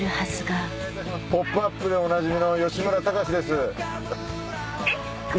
『ポップＵＰ！』でおなじみの吉村崇です。